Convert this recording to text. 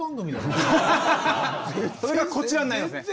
それがこちらになりますね。